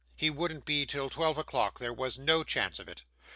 He wouldn't be, till twelve o'clock; there was no chance of it.